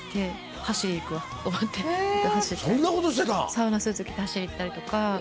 サウナスーツ着て走り行ったりとか。